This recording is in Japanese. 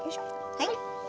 はい。